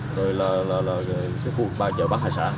khu vực bãi chở bán hải sản